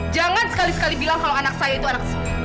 jangan sekali sekali bilang kalau anak saya itu anak